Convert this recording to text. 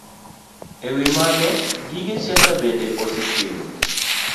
E wi mano, gige siasa bende osekelo